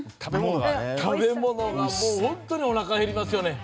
食べ物が本当におなか、減りますよね。